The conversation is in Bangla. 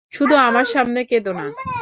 শুধু আমার সামনে কেদো না।